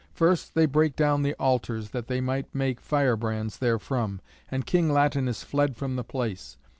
First they brake down the altars, that they might take firebrands therefrom; and King Latinus fled from the place.